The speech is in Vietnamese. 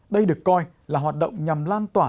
đây được coi là hoạt động nhằm lan tỏa